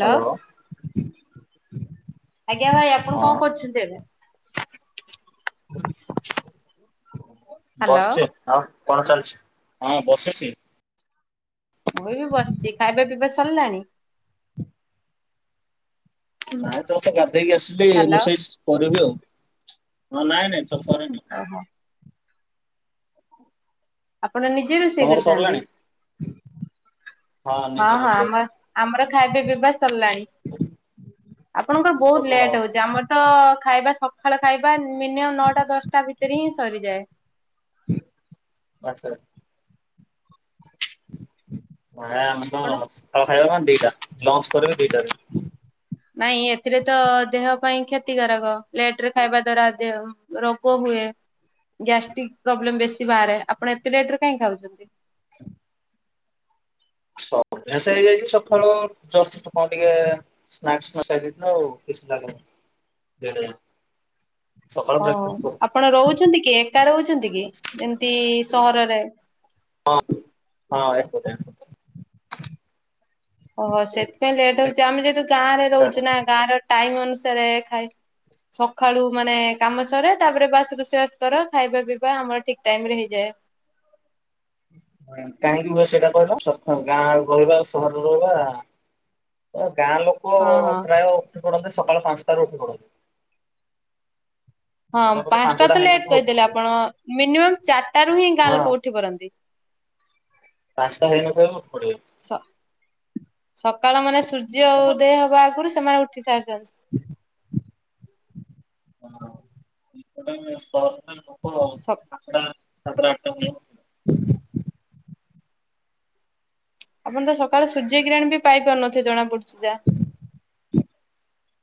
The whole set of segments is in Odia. ହାଲ। ହ୍ୟାଲୋ ଆଜ୍ଞା ଭାଇ ଆପଣ ହଁ କଣ କରୁଛନ୍ତି ଏବେ? ହ୍ୟାଲୋ ବସଚି। ଆଉ କଣ ଚାଲିଛି, ହଁ ବସିଛି। ମୁଁ ବି ବସିଛି ଖାଇବା ପିଇବା ସରିଲାଣି? ନାଇଁ ଯଷ୍ଟ ତ ଗାଧେଇକି ଆସିଲି ହ୍ୟାଲୋ ରୋଷେଇ କରିବି ଆଉ ହ ନାଇଁ ନାଇଁ ସରିନି। ଓହୋ। ଆପଣ ନିଜେ ରୋଷେଇ ତମର କରି ଖାନ୍ତି? ସରିଲାଣି ହଁ ନିଜେ ହଁ ରୋଷେଇ ଆମ ଆମର ଖାଇବା ପିଇବା ସରିଲାଣି। ଆପଣଙ୍କର ହବ ବହୁତ ଆଉ। ଲେଟ୍ ହଉଛି, ଆମର ତ ଖାଇବା ସକାଳ ଖାଇବା ମିନିମମ୍ ନଅଟା ଦଶଟା ଭିତରେ ହିଁ ସରିଯାଏ। ଆଛା। ହଁ ସଖାଳ ଖାଇବା କ ଦିଟା ଆପଣ ଲଞ୍ଚ କରିବି ଦିଟାରେ। ନାଇଁ ଏଥିରେ ତ ଦେହ ପାଇଁ କ୍ଷତିକାରକ ଲେଟରେ ଖାଇବା ଦ୍ଵାରା ଦେହ ରୋଗ ହୁଏ ଗ୍ୟାଷ୍ଟ୍ରିକ ପ୍ରୋବ୍ଲେମ ବେଶୀ ବାହାରେ ଆପଣ ଏତେ ଲେଟ ରେ କାହିଁ ଖାଉଛନ୍ତି। [inaudible] ସ ଅଭ୍ୟାସ ହେଇଯାଇଛି ସକାଳୁ ଜଷ୍ଟ କ ଟିକେ ଶ୍ନାକଶ୍ ଖାଇ ଦେଇ ଥାଉ [unintelligible] ହଁ ଆପଣ ରହୁଛନ୍ତି କି ଏକା ରହୁଛନ୍ତି କି ଏମିତି ସହରରେ? ହଁ ହଁ ଏକୁଟିଆ। ଓହୋ ସେଥିପାଇଁ ଲେଟ୍ ହଉଛି ଆମେ ଯେ ତୁ ଗାଁରେ ରହୁଛୁ ନା ଗାଁ ର ଟାଇମ ଅନୁସାରେ ଖାଇ ସକାଳୁ ମାନେ କାମ ସରେ ତାପରେ ବାସ୍ ରୋଷେଇ ବାସ କର ଖାଇବା ପିଇବା ଆମର ଠିକ ଟାଇମ ରେ ହେଇଯାଏ କାହିଁକି ହୁଏ ସେଇଟା କହିଲ ଗାଁ ର ରହିବା ସହର ରହିବା ଗାଁ ଲୋକ ହଁ ହଁ ପ୍ରାୟ ଉଠି ପଡନ୍ତି ସକାଳ ପାଞ୍ଚଟାରୁ ଉଠି ପଡନ୍ତି। ହଁ ସମୟ ବୋଧେ ପାଞ୍ଚଟା ତ ଲେଟ୍ ହେଇନଥିବ ଉଠି କହିଦେଲେ ପଡିବେ ଆପଣ ମିନିମମ୍ ଚାରିଟାରୁ ହିଁ ଗାଁ ହଁ ଲୋକ ଉଠି ପାରନ୍ତି,। ପାଞ୍ଚଟା ହେଇ ନଥିବ ବି ଉଠି ସ ପଡିବେ। ସକାଳ ମାନେ ସୂର୍ଯ୍ୟ ଉଦୟ ହବା ଆଗରୁ ସେମାନେ ଉଠି ସାରିଛନ୍ତି। ହଁ। ଆଟା ସ ସାତଟା ଆଠଟା ହୁଏ। ଆପଣ ତ ସକାଳୁ ସୂର୍ଯ୍ୟ କିିରାଣ ବି ପାଇପାରୁନଥିବେ ଜଣା ପଡୁଛି ଯା।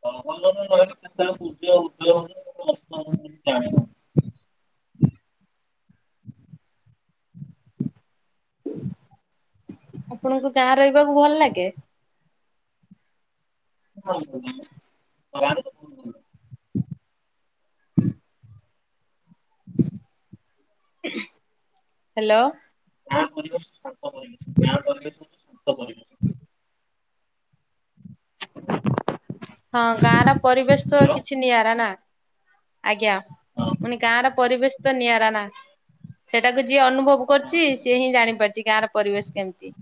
[unintelligible] ଆପଣଙ୍କୁ ଗାଁ ରହିବାକୁ ଭଲ ଲାଗେ? ହଁ ଗାଁରେ ତ ବହୁତ ଭଲ ଲାଗେ। [inaudible] ହ୍ୟାଲୋ। ଗାଁ ପରିବେଶ ଶାନ୍ତ ପରିବେଶ, ଗାଁ ପରିବେଶ ଶାନ୍ତ ପରିବେଶ। ହଁ ଗାଁ ର ପରିବେଶ ତ ହ୍ୟାଲୋ କିଛି ନିଆରା ନା। ଆଜ୍ଞା ହଁ ମୁଁ କହିଲି ଗାଁ ର ପରିବେଶ ତ ନିଆରା ନା। ସେଟାକୁ ଯିଏ ଅନୁଭବ ହଁ କରଛି ସିଏ ହିଁ ଜାଣିପାରୁଛି ଗାଁ ର ପରିବେଶ କେମିତି।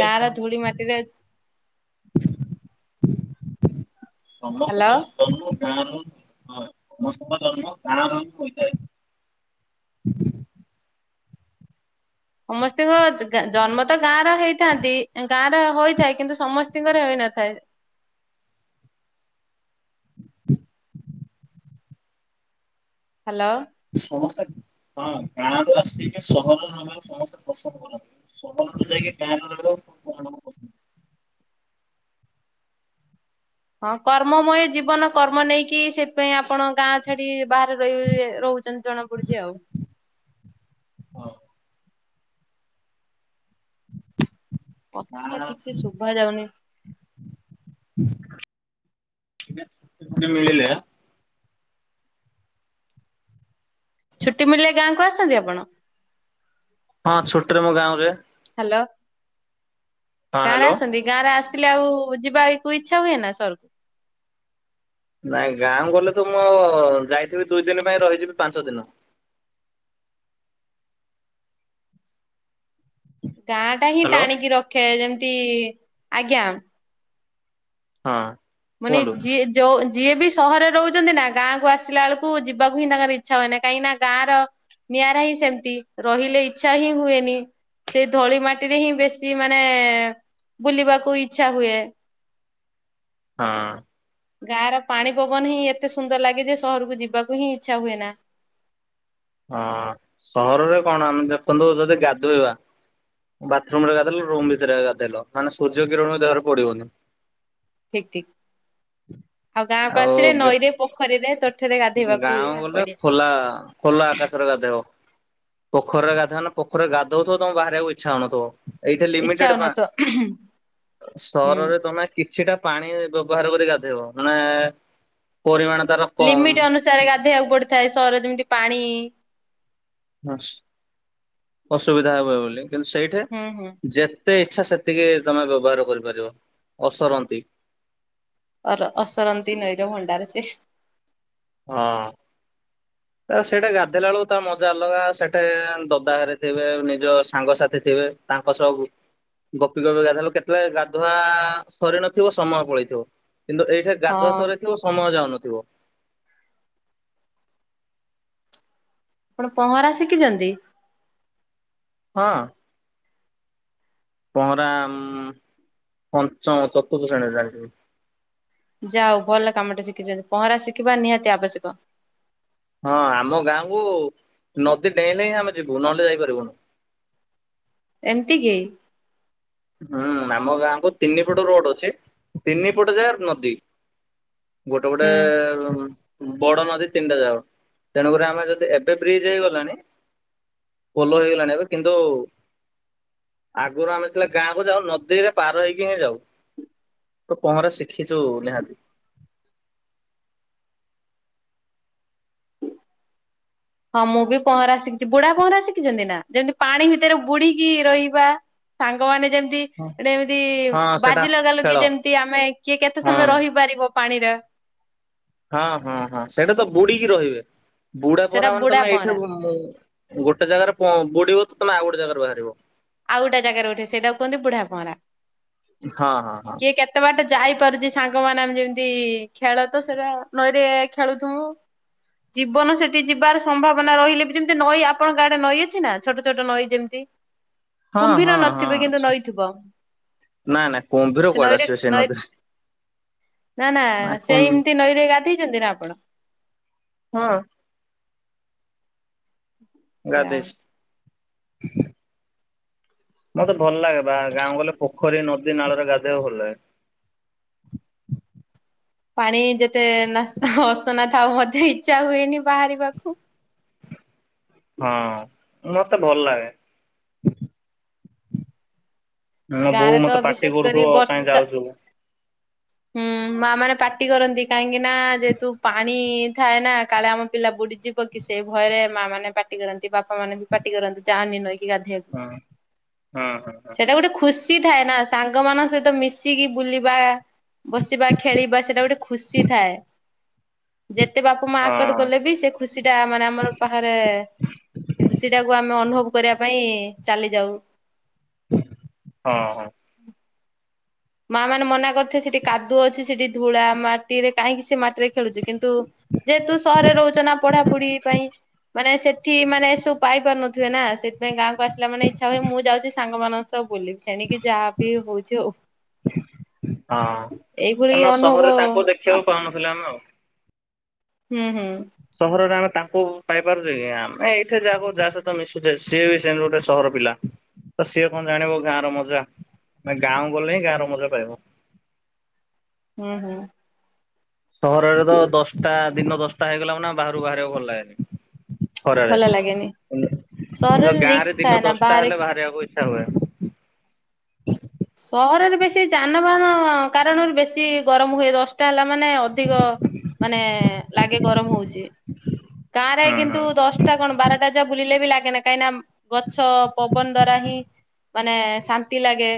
ଗାଁ ର ଧୂଳି ମାଟିରେ ସମସ୍ତ ହ୍ୟାଲୋ ଙ୍କ ଜନ୍ମ ସମସ୍ତ ଙ୍କ ଜନ୍ମ ଗାଁରେ ହିଁ ହୋଇଥାଏ। ସମସ୍ତଙ୍କ ଜନ୍ମ ତ ଗାଁ ର ହେଇଥାନ୍ତି ଗାଁ ର ହୋଇଥାଏ କିନ୍ତୁ ସମସ୍ତଙ୍କର ହେଇନଥାଏ। ହ୍ୟାଲୋ। ସମସ୍ତେ ହଁ ଗାଁ ରୁ ଆସିକି ସହରରେ ରହିବାକୁ ସମସ୍ତେ ପସନ୍ଦ କରନ୍ତି। [unintelligible] ସୁ ଯାଇକି ଟ ଲାଗ କଣ? [unintelligible] ହଁ କର୍ମମୟ ଜୀବନ କର୍ମ ନେଇକି ସେଥିପାଇଁ ଆପଣ ଗାଁରେ। ସେଠି ବାହାରେ ରହି ରହୁଛନ୍ତି ଜଣାପଡୁଛି ଆଉ।। ହଁ। କଥା ଟା ଠିକ୍ ସେଶୁଭା ଯାଉନି। ଆଜ୍ଞା ଛୁଟି ମିଳିଲା। ଛୁଟି ମିଳିଲେ ଗାଁକୁ ଆସନ୍ତି ଆପଣ? ହଁ ଛୁଟିରେ ମୁଁ ଗାଁ କୁଯାଏ। ହ୍ୟାଲୋ ହଁ କାହାର ହ୍ୟାଲୋ। ଆସିଚନ୍ତି। ଗାଁରେ ଆସିଲେ ଆଉ ଯିବାକୁ ଇଚ୍ଛା ହୁଏ ନା ସହରକୁ। ନାଇଁ ଗାଁକୁ ଗଲେ ତ ମୁଁ ଯାଇଥିବି ଦୁଇ ଦିନ ପାଇଁ ରହିଯିବି ପାଞ୍ଚ ଦିନ। ଗାଁ ଟା ହିଁ ହ୍ୟାଲୋ ଟାଣିକି ରଖେ ଯେମିତି ଆଜ୍ଞା। ହଁ। ମାନେ କୁହନ୍ତୁ ଯିଏ ଯି। ଯୋଉ ଯିଏ ବି ସହରରେ ରହୁଛନ୍ତି ନା ଗାଁକୁୁ ଆସିଲା ବେଳକୁ ଯିବାକୁ ହିଁ ତାଙ୍କର ଇଚ୍ଛା ହୁଏନି କାହିଁକି ନା ଗାଁର। ନିଆଁରା ହିଁ ସେମିତି ରହିଲେ ଇଚ୍ଛା ହିଁ ହୁଏନି ସେ ଧୂଳି ମାଟି। ମାଟିରେହିଁ ବେଶୀ ମାନେ ବୁଲିବାକୁ ଇଛା ହୁଏ। ହଁ। ଗାଁ ର ପାଣି ପବନ ହିଁ ଏତେ ସୁନ୍ଦର ଲାଗେ ଯେ ସହରକୁ ଯିବାକୁ ହିଁ ଇଚ୍ଛା ହୁଏ ନା। ହଁ ସହରରେ କଣ ଆମେ ଦେଖନ୍ତୁ ଯଦି ଗାଧୋଇବା। ବାଥୁର୍ମ ଭିତରେ ଗାଧେଇଲ ରୁମ ଭିତରେଏକା ଗାଧୋଇଲ ସୂର୍ଯ୍ୟ କିରଣତ ଦେହରେ ପଡ଼ିବନି। ଠିକ୍ ଠିକ୍ ଆଉ ଗାଁକୁ ଆସିଲେ ନଈରେ ପୋଖରୀରେ ତ। ଗାଁ ଗଲେ ଖୋଲା ଖୋଲା ଆକାଶରେ ଗା ଧୋଇବ। ପୋଖରୀରେଗାଧୋଇ ବନା ପୋଖରୀ ରେ ଗାଧୋଉଥିବ ତୁମକୁ ବାହାରିବାକୁଇଛା ହେଉନଥିବ। ଏଇଠା ଇଚ୍ଛା ଲିମିଟେଡେ ପା ହଉନଥିବ ହୁଁ। ସହରରେ ତମେ। କିଛିଟାପାଣି ବ୍ୟବହାର କରି ଗାଧେଇବ ନହେଲେ ପରିମାଣତାର। ଲିମିଟ୍ ଅନୁସାରେ ଗାଧଇବାକୁ ପଡିଥାଏ ସହର ଯେମିତି ପାଣି। ହସ ଅସୁବିଧା ହବ ବୋଲି କିନ୍ତୁ ସେଇଠି ହୁଁ ହୁଁ। ଯେ। ଯେତେ ଇଚ୍ଛା ସେତିକି ତମେ ବ୍ୟବହାର କରିପାରିବ ଅସରନ୍ତି। ଅର ଅସରନ୍ତି ନଈର ଭଣ୍ଡାର ସେ। ହଁ। ସେଇଟା ଗାଧେଇଲା ବେଳକୁ ତା ମଜା ଅଲଗା ସେଠି ଦଦାଘରେ ଥିବେ ନିଜ ସାଙ୍ଗସାଥି ଥିବେ। ତାଙ୍କ ସହବୁ। ଗପି ଗପି ଗାଧୋଇଲେ କେତେବେଳେ ଗାଧୁଆ ସରି ନଥିବ ସମୟ ପଳେଇଥିବ କିନ୍ତୁ ଏଇଠେ। ହଁ ଗାଧୁଆ ସରିଥିବ ସମୟ ଯାଉନଥିବ। ଆପଣ ପହଁରା ଶିଖିଛନ୍ତି? ହଁ। ପହଁରା ଉ ପଞ୍ଚମ ଚତୁର୍ଥ ଶ୍ରେଣୀରୁଜାଣିଚି। ଯା ହଉ ଭଲ କାମ ଟେ ଶିଖିଛନ୍ତି ପହଁରା ଶିଖିବା ନିହାତି ଆବଶ୍ୟକ। ହଁ ଆମ ଗାଁକୁୁ ନଦୀ ଡେଇଁଲେ ହିଁ ଆମେ ଯିବୁ ନହଲେ ଯାଇପାରିବୁନୁ। ଏମତି କି? ହୁଁ ଆମ ଗାଁ କୁ ତିନି ପଟ ରୋଡ ଅଛି ତିନି ପଟ ଯାଗାରେ ନଦୀ। ଗୋଟେ ଗୋଟେ ହୁଁ। ଏ। ବଡ ନଦୀ ତିନିଟା ଯାକ ତେଣୁକରି ଆମେ ଯଦି ଏବେ ବ୍ରିଜ୍ ହେଇଗଲାଣି। ପୋଲ ହେଇଗଲାଣି ଏବେ କିନ୍ତୁ ଆଗରୁ ଆମେ ଗାଁକୁ ଯାଉ ନଦୀରେ ପାର ହେଇକି ହିଁ ଯାଉ ତ ପହଁରା ଶିଖିଛୁ ନିହାତି। ହଁ ମୁଁ ବି ପହଁରା ଶିଖିଛି ବୁଡ଼ା ପହଁରା ଶିଖିଛନ୍ତି ନା ଯେମିତି ପାଣି ଭିତରେ ବୁଡିକି ରହିବା। ସାଙ୍ଗମାନେ ଯେମତି। ହଁ। ଗୋଟେ ଏମତି ହଁ ସେଟା ବାଜି ଲଗାଲଗି କି ଖେଳ ଯେମତି ଆମେ କିଏ କେତେ ହଁ ସମୟ ରହିପାରିବ ପାଣିରେ। ହଁ ହଁ ହଁ ସେଇଟା ତ ବୁଡିକି ରହିବେ ବୁଢା ସେଇଟା ପହଁରା ମାନେ ବୁଢା ତମେ ପହଁରା। ଏଇଠି ଗୋଟେ ଜାଗାରେ ବୁଡିବ ତ ତମେ ଆଉ ଗୋଟେ ଜାଗାରୁ ବାହାରିବ। ଆଉ ଗୋଟେ ଜାଗାରେ ଉଠେ ସେଇଟା କୁହନ୍ତି ବୁଢାପହଁରା। ହଁ ହଁ ହଁ। କିଏ କେତେ ବାଟେ ଯାଇପାରୁଛି ସାଙ୍ଗମାନେ ଆମେ ଯେମିତି ଖେଳ ତ ସେଇଟା ନଈରେ ଖେଳୁଥିବୁ। ଜୀବନ ସେଠି ଯିବାର ସମ୍ଭାବନା ରହିଲେ ବି ଯେମିତି ନଈ ଆପଣଙ୍କ ଆଡେ ନଈ ଅଛି ନା ଛୋଟ ଛୋଟ ନଈ ଯେମିତି। ହଁ ହଁ କୁମ୍ଭୀର ହଁ ନଥିବେ କିନ୍ତୁ ଅଛି ନଈଥିବ ନାଁ ନାଁ ସେ କୁମ୍ଭୀର କୁଆଡେ ନଈରେ ଆସିବେ ସେଇ ନଈ ନଦୀରେ। ନା ନା ସେ ଏମିତି ନଈରେ ଗାଧେଇଛନ୍ତି ନା ଆପଣ? ହଁ। ଯା ହଉ। ଗାଧେଇଛି। ମତେ ଭଲ ଲାଗେ ବା ଗାଁ ଗଲେ ପୋଖରୀ ନଦୀ ନାଳରେ ଗାଧୋଇବାକୁ ଭଲ ଲାଗେ। ପାଣି ଯେତେ ନାସ ଅସନା ଥାଉ ମୋତେ ଇଚ୍ଛା ହୁଏନି ବାହାରିବାକୁ। ହଁ ମତେ ଭଲ ଲାଗେ। ମୋ ବୋଉ ଗାଁରେ ତ ମତେ ପାଟି ବିଶେଷ କରି କରୁଥିବ ବର୍ଷା କାଇଁ ଯାଉଛୁ? ହୁଁ ମା ମାନେ ପାଟି କରନ୍ତି କାହିଁକି ନା ଯେହେତୁ ପାଣି। ଥାଏ ନା କାଳେ ଆମ ପିଲା ବୁଡିଯିବ କି ସେ ଭୟରେ ମା ମାନେ ପାଟି କରନ୍ତି ବାପା ମାନେ ପାଟି କରନ୍ତି ଯାଅନି ନଈକି ଗାଧେଇବାକୁ ହଁ ହଁ ହଁ ସେଇଟା ଗୋଟେ ଖୁ ସି ଥାଏ ନା ସାଙ୍ଗମାନାନଙ୍କ ସହିତ ମିଶିକି ବୁଲିବା। ବସିବା ଖେଳିବା ସେଇଟା ଗୋଟେ ଖୁସି ଥାଏ। ଯେତେ ବାପା ମା ହଁ ଆକଟ ଗଲେ ବି ସେ ଖୁସି ଟା ମାନେ ଆମର ପାହାରେ। ଖୁସି ଟାକୁ ଆମେ ଅନୁଭବ କରିବା ପାଇଁ ଚାଲି ଯାଉ। ହଁ ହଁ। ମା ମାନେ ମନା କରୁଥିବେ ସେଠି କାଦୁଅ ଅଛି ସେଠି ଧୂଳା ମାଟିରେ କାହିଁକି ସେ ମାଟିରେ। ଖେଳୁଛୁ କିନ୍ତୁ ଯେହେତୁ ସହରରେ ରହୁଛ ନା ପଢାପଢି ପାଇଁ ମାନେ ସେ ଠି ମାନେ ଏସବୁ ପାଇପାରୁନଥିବେ ନା ସେଥିପାଇଁ ଗାଁକୁ ଆସିଲାନେ ଇଚ୍ଛା ହୁଏ ମୁଁ ଯାଉଛି ସାଙ୍ଗମାନଙ୍କ ସହ ବୁଲିବି ସେଣିକି ଯାହା ବି ହଉଛି ହଉ। ହଁ ଏଇଭଳି କାହିଁକିନା ଅନୁଭବ ସହରରେ ତାଙ୍କୁ ଦେଖିବାକୁ ପାଉନଥିଲ ଆମେ ଆଉ। ହୁଁ ହୁଁ। ସହରରେ ଆମେ ତାଙ୍କୁ ପାଇପାରୁଛେ କି ଆମେ ଏଇଠି ଯାହାକୁ ଯାହା ସହିତ ମିଶୁଛେ ସିଏ ବି ଗୋଟେ ସହର ପିଲା ତ ସିଏ କଣ ଜାଣିବ ଗାଁର ମଜା। ମାନେ ଗାଁ ଗଲେ ହିଁ ଗାଁର ମଜା ପାଇବ। ହୁଁ ହୁଁ। ସହରରେ ତ ଦଶଟା ଦିନ ଦଶଟା ହେଇଗଲା ମାନେ ବାହାରୁ କୁ ବାହାରିବା ଭଲ ଲାଗେନି। ଖରାରେ ଭଲ ଲାଗେନି କିନ୍ତୁ ସହରରେ ଗାଁ ରିକ୍ସ ରେ ଥାଏ ଦିନ ନା ଦଶଟା ବାହାରେ ହେଲେ ବାହାରିବାକୁ ଇଚ୍ଛା ହୁଏ। ସହରରେ ବେଶୀ ଯାନବାହାନ କାରଣରୁ ବେଶୀ ଗରମ ହୁଏ। ଦଶ ଟା ହେଲା ମାନେ ଅଧିକ ମାନେ ଲାଗେ ଗରମ ହଉଚି। ଗାଁରେ ହୁଁ କିନ୍ତୁ ହୁଁ। ଦଶଟା କଣ ବାରଟା ଯାଏ ବୁଲିଲେ ବି ଲାଗେନା କାହିଁକି ନା। ଗଛ ପବନ ଦ୍ଵାରା ହିଁ ମାନେ ଶାନ୍ତି ଲାଗେ।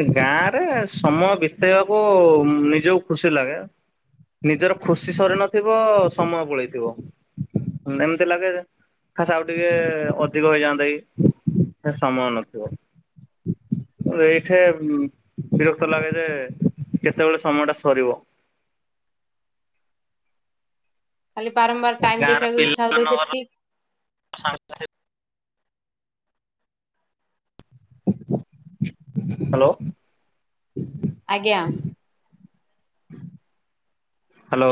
ଏ ଗାଁ ରେ ସମୟ ବିତେଇବାକୁ ନିଜକୁ ଖୁସି ଲାଗେ। ନିଜର ଖୁସି ସରି ନଥିବ ସମୟ ପଳେଇଥିବ ଏମିତି ଲାଗେ ଯେ। ଖାସ ଆଉ ଟିକେ ଅଧିକ ହେଇଯାଆନ୍ତା କି ସେ ସମୟ ନଥିବ। ଏଇଠେ ବିରକ୍ତ ଲାଗେ ଯେ କେତେବେଳେ ସମୟ ଟା ସରିବ। ଖାଲି ବାରମ୍ବାର ଟାଇମ ଗାଁରେ ଦେଖିବାକୁ ଇଚ୍ଛା ହଉଥିବ ପିଲାମାନଙ୍କର ସେଟି [unintelligible] ହ୍ୟାଲୋ। ଆଜ୍ଞା। ହ୍ୟାଲୋ।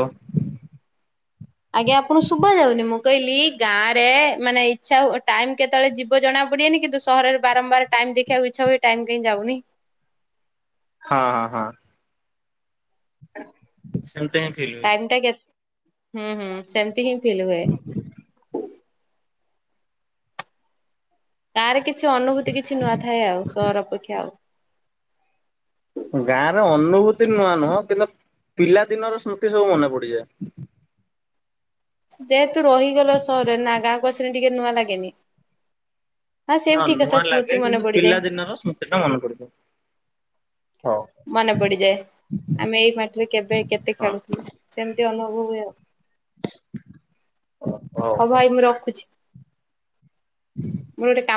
ଆଜ୍ଞା ଆପଣ ଶୁଭା ଯାଉନି। ମୁଁ କହିଲି ଗାଁରେ ମାନେ ଇଚ୍ଛା ଟାଇମ କେ କେତବଳେ ଯିବ ଜଣା ପଡିବନି କିନ୍ତୁ ସହରରେ ବାରମ୍ବାର ଟାଇମ ଦେଖିବାକୁ ଇଚ୍ଛା ହଏ ଟାଇମ୍ କାଇଁ ଯାଉନି। ହଁ ହଁ ହଁ। ସେମିତି ହିଁ ଫିଲ୍ ହୁଏ। ଟାଇମ୍ କେ ହୁଁ ହୁଁ ସେମତି ହିଁ ଫିଲ୍ ହୁଏ। ଗାଁରେ କିଛି ଅନୁଭୂତି କିଛି ନୂଆ ଥାଏ ଆଉ ସହର ଅପେକ୍ଷା ଆଉ। ଗାଁରେ ଅନୁଭୂତି ନୂଆ ନୁହଁ କିନ୍ତୁ ପିଲାଦିନର ସ୍ମୃତି ସବୁ ମନେ ପଡିଯାଏ। ଯେହେତୁ ରହିଗଲେ ସହରରେ ନା ଗାଁକୁ ଆସିଲେ ଟିକେ ନୂଆ ଲାଗେନି? ସେ ହଁ ବି ଠିକ କଥା ନୂଆଁ ସ୍ମୃତି ଲାଗେ ମନେ କିନ୍ତୁ ପଡିଯାଏ ପିଲା ଦିନର ସ୍ମୃତିଟା ମନେ ପଡିଯାଏ। ହଉ ମନେ ପଡିଯାଏ ଆମେ ଏଇ ମାଟିରେ କେବେ କେତେ ହଁ। ଖେଳୁଥିଲୁ। ସେମିତି ଅନୁଭବ ହୁଏ ଆଉ। [inaudible] ହଉ ଭାଇ ମୁଁ ରଖୁଛି। ମୁଁ ଗୋଟେ କାମ